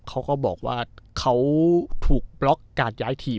เขาก็บอกว่าเขาถูกบล็อกการย้ายทีม